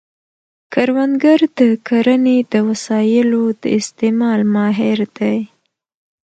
کروندګر د کرنې د وسایلو د استعمال ماهر دی